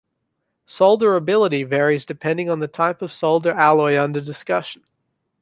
Solderability varies depending on the type of solder alloy under discussion.